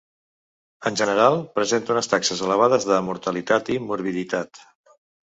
En general presenta unes taxes elevades de mortalitat i de morbiditat.